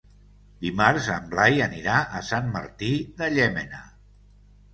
Dimarts en Blai anirà a Sant Martí de Llémena.